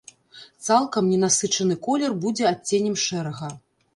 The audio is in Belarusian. Цалкам ненасычаны колер будзе адценнем шэрага.